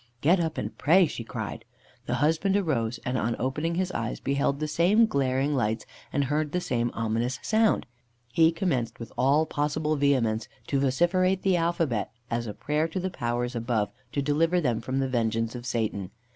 "Get up and pray!" she cried. The husband arose, and, on opening his eyes, beheld the same glaring lights, and heard the same ominous sound. He commenced with all possible vehemence to vociferate the alphabet, as a prayer to the powers above to deliver them from the vengeance of Satan.